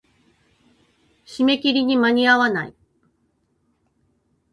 締め切りに間に合わない。